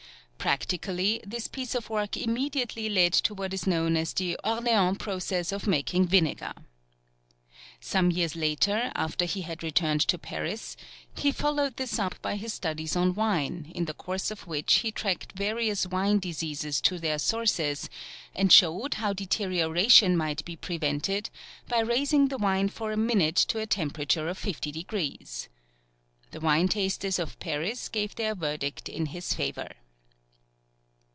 Practically, this piece of work immediately led to what is known as the Orleans process of making vinegar. Some years later, after he had returned to Paris, he followed this up by his studies on wine, in the course of which he tracked various wine diseases to their sources, and showed how deterioration might be prevented by raising the wine for a minute to a temperature of 50°C. The wine tasters of Paris gave their verdict in his favour.